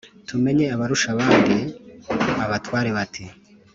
tumenye abarusha abandi». abatware bati